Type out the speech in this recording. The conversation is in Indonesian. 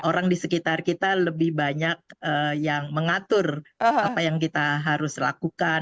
orang di sekitar kita lebih banyak yang mengatur apa yang kita harus lakukan